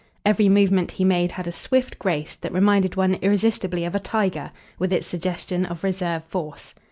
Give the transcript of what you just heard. Every movement he made had a swift grace that reminded one irresistibly of a tiger, with its suggestion of reserve force.